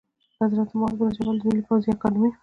د حضرت معاذ بن جبل د ملي پوځي اکاډمۍ